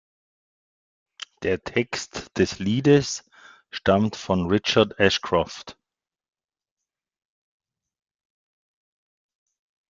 Der Text des Liedes stammt von Richard Ashcroft.